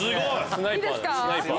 いいですか？